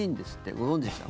ご存じでしたか？